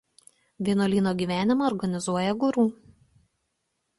Vienuolyno gyvenimą organizuoja guru.